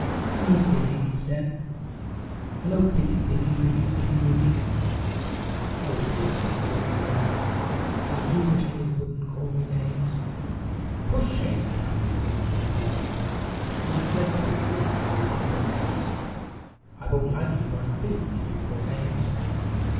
"Hello, Piggy," he said. "Hello, Piggy. Piggy wiggy, Piggy wiggy." "Oh, dear," said the little girl, "I do wish they wouldn't call me names." "For shame!" Tiny called to the boy. "It is dreadfully rude for you to call names. I won't like you one bit if you call names."